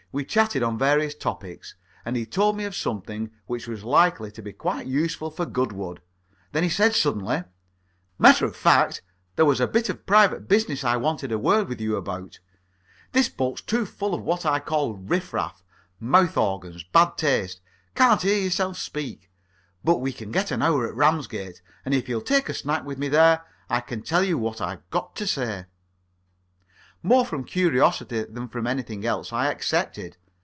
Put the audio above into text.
We chatted on various topics, and he told me of something which was likely to be quite useful for Goodwood. Then he said suddenly: "Matter of fact, there was a bit of private business I wanted a word with you about. This boat's too full of what I call riff raff. Mouth organs. Bad taste. Can't hear yourself speak. But we get an hour at Ramsgate, and if you'll take a snack with me there, I can tell you what I've got to say." More from curiosity than from anything else, I accepted.